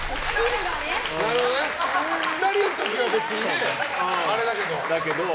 ２人の時は別にあれだけど。